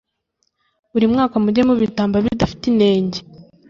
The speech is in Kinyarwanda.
buri mwaka mujye mubitamba bidafite inenge